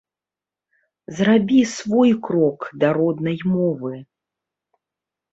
Зрабі свой крок да роднай мовы!